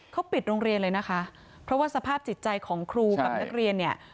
เขาปิดโรงเรียนเลยนะคะเพราะว่าสภาพจิตใจของครูกับนักเรียนเนี่ย